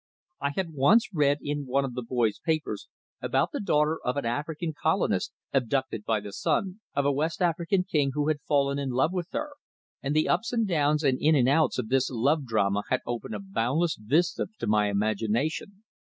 I had once read in one of the boys' papers about the daughter of an African colonist abducted by the son of a West African king who had fallen in love with her; and the ups and downs and ins and outs of this love drama had opened a boundless vista to my imagination.